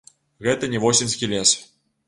Гэта не восеньскі лес.